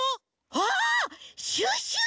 あ！シュッシュ！